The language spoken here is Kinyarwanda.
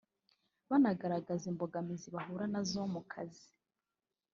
banagaragaza imbogamizi bahura na zo mu kazi